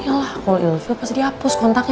gak salah kalo ill feel pasti dihapus kontaknya